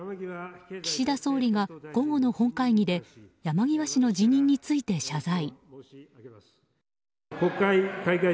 岸田総理が午後の本会議で山際氏の辞任について謝罪。